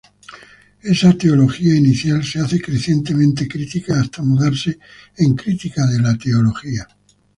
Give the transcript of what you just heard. Esa teología inicial se hace crecientemente crítica hasta mudarse en crítica de la teología.